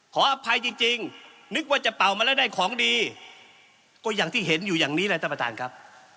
ขออภัยจริงนึกว่าจะเป่ามาแล้วได้ของดีก็อย่างที่เห็นอยู่อย่างนี้แหละท่านประธานครับ